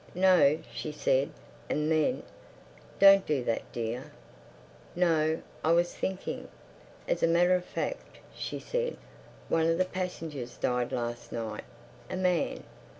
"No," she said. And then: "Don't do that, dear. No, I was thinking. As a matter of fact," she said, "one of the passengers died last night—a man.